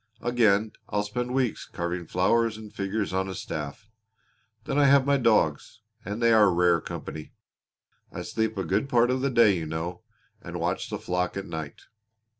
Again I'll spend weeks carving flowers and figures on a staff. Then I have my dogs, and they are rare company. I sleep a good part of the day, you know, and watch the flock at night."